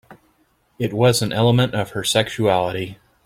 It was an element of her sexuality.